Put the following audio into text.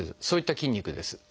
そういった筋肉です。